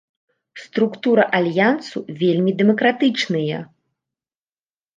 Структура альянсу вельмі дэмакратычныя.